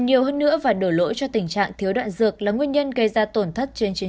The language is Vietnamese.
nhiều hơn nữa và đổ lỗi cho tình trạng thiếu đạn dược là nguyên nhân gây ra tổn thất trên chiến